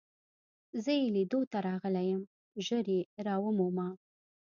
زه يې لیدو ته راغلی یم، ژر يې را ومومه.